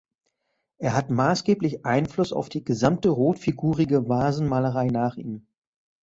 Er hat maßgeblichen Einfluss auf die gesamte rotfigurige Vasenmalerei nach ihm.